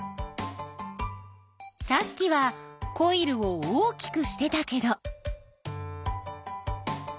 さっきはコイルを大きくしてたけど。